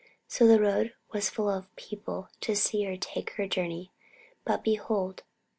So the road was full of people to see her take her journey. But, behold!